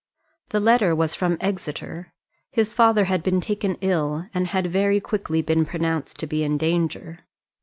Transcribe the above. The letter was from Exeter. His father had been taken ill, and had very quickly been pronounced to be in danger.